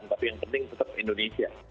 tapi yang penting tetap indonesia